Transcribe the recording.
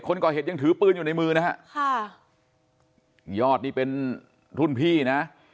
คนก่อเหตุยังถือปืนอยู่ในมือนะฮะค่ะยอดนี่เป็นรุ่นพี่นะ